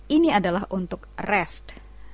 ini adalah untuk rest